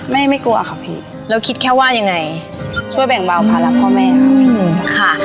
ไม่ไม่กลัวค่ะพี่แล้วคิดแค่ว่ายังไงช่วยแบ่งเบาภาระพ่อแม่ของพี่หนูสักค่ะ